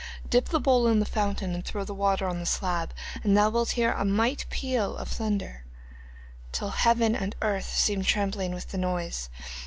Dip the bowl in the fountain, and throw the water on the slab, and thou wilt hear a might peal of thunder, till heaven and earth seem trembling with the noise.